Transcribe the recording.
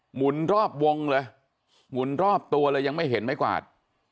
หมุนรอบวงเลยหมุนรอบตัวเลยยังไม่เห็นไม้กวาด